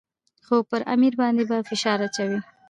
خو پر امیر باندې به فشار اچوي.